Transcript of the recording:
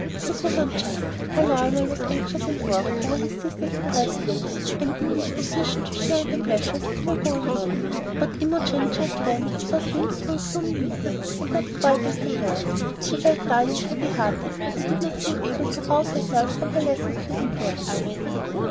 This was unjust, for Lionel was anxious and worried over his sister's depressed looks and indisposition to share in the pleasures that were going on; but Imogen just then saw things through a gloomy medium, and not quite as they were. She felt dull and heavy hearted, and did not seem able to rouse herself from her lassitude and weariness.